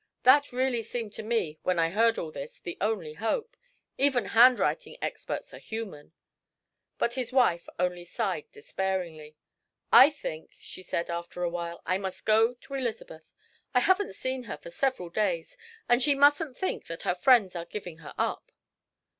That really seemed to me, when I heard all this, the only hope. Even handwriting experts are human." But his wife only sighed despairingly. "I think," she said, after awhile, "I must go to Elizabeth. I haven't seen her for several days, and she mustn't think that her friends are giving her up."